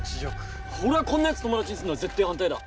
俺はこんな奴友達にするのは絶対反対だ！